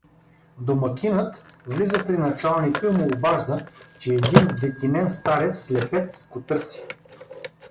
Домакинът влиза при началника и му обажда, че един вдетинен старец, слепец, го търси.